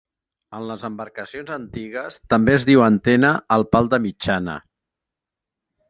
En les embarcacions antigues també es diu antena al pal de mitjana.